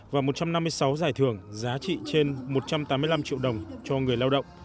và một trăm năm mươi sáu giải thưởng giá trị trên một trăm tám mươi năm triệu đồng cho người lao động